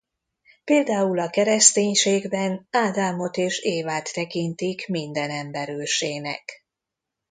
Például a kereszténységben Ádámot és Évát tekintik minden ember ősének.